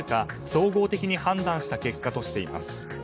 総合的に判断した結果としています。